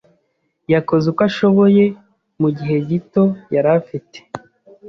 yakoze uko ashoboye mugihe gito yari afite.